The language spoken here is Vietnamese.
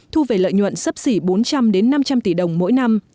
thu về lợi nhuận sấp xỉ bốn trăm linh năm trăm linh tỷ đồng mỗi năm